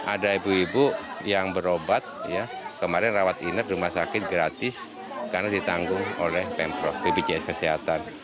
ada ibu ibu yang berobat kemarin rawat inap di rumah sakit gratis karena ditanggung oleh pemprov bpjs kesehatan